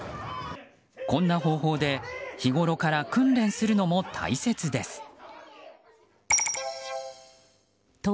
こんな方法で日ごろから訓練するのも大切です。